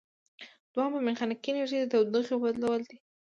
دوهم په میخانیکي انرژي د تودوخې بدلول دي.